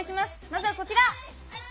まずはこちら！